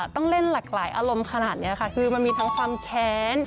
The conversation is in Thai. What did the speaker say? ต้องเล่นหลากหลายอารมณ์ขนาดนี้ค่ะคือมันมีทั้งความแค้น